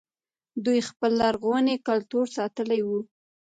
دوی خپل لرغونی کلتور ساتلی و